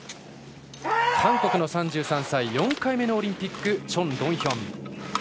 韓国の３３歳４回目のオリンピックチョン・ドンヒョン。